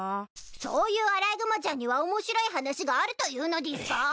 そういうアライグマちゃんには面白い話があるというのでぃすか？